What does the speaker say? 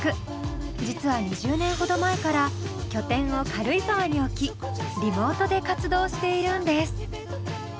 実は２０年ほど前から拠点を軽井沢に置きリモートで活動しているんです。